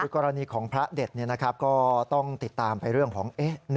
กรณีของพระเด็ดก็ต้องติดตามไปเรื่องของ